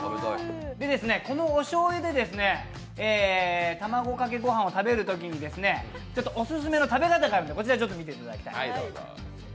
このおしょうゆで卵かけ御飯を食べるときに、オススメの食べ方があるんでこちらをちょっと見てください。